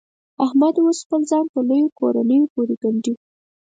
احمد اوس خپل ځان په لویو کورنیو پورې ګنډي.